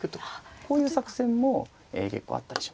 こういう作戦も結構あったりしますね。